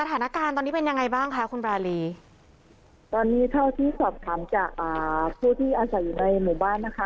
สถานการณ์ตอนนี้เป็นยังไงบ้างคะคุณรารีตอนนี้เท่าที่สอบถามจากอ่าผู้ที่อาศัยอยู่ในหมู่บ้านนะคะ